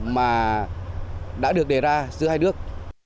mà đã được đề ra giữa hai nước